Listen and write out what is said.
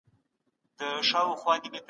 هغه کسان چې ناروغ دي، احتیاط کوي.